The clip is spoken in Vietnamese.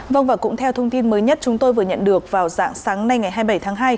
vâng và cũng theo thông tin mới nhất chúng tôi vừa nhận được vào dạng sáng nay ngày hai mươi bảy tháng hai